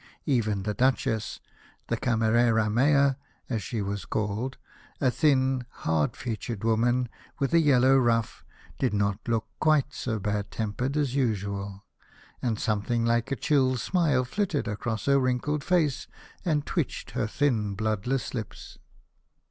Even the Duchess — the Camerera Mayor as she was called — a thin, hard featured woman with a yellow ruff, did not look quite so bad tempered as usual, and something like a chill smile flitted across her wrinkled face and twitched her thin bloodless lips.